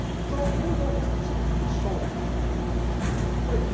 そのルールをお伝えしていきましょう。